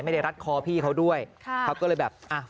ไม่ได้รัดคอพี่เขาด้วยเขาก็เลยฝากเป็นอุทาหรณ์